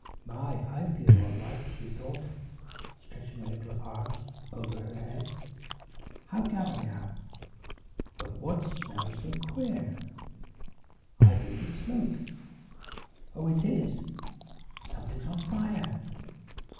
"My, I feel all right," she thought, stretching her little arms over her head. "How glad I am! But what smells so queer? I believe it's smoke! Oh, it is! Something's on fire!"